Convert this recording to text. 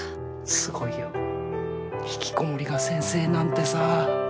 すごいよひきこもりが先生なんてさ。